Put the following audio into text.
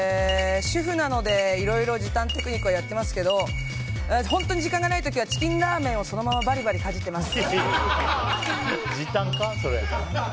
主婦なのでいろいろ時短テクニックはやっていますが本当に時間がない時はチキンラーメンをそのままバリバリかじってます。